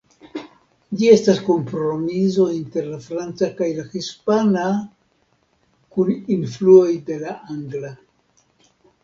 Ĝi estas kompromiso inter la franca kaj la hispana kun influoj de la angla.